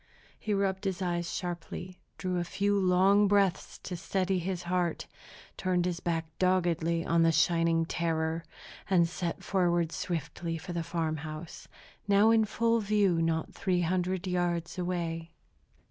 He rubbed his eyes sharply, drew a few long breaths to steady his heart, turned his back doggedly on the shining terror, and set forward swiftly for the farm house, now in full view not three hundred yards away.